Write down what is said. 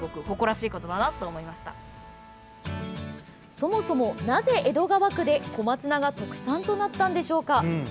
そもそも、なぜ江戸川区で小松菜が特産となったんでしょうか。